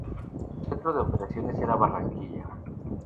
Su centro de operaciones era Barranquilla.